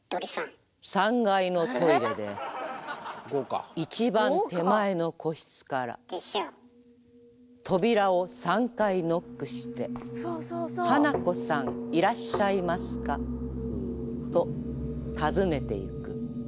３階のトイレで一番手前の個室から扉を３回ノックして「花子さんいらっしゃいますか？」と尋ねていく。